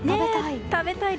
食べたい！